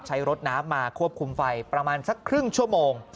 ใช้รถน้ำมาควบคุมไฟประมาณสักครึ่งชั่วโมง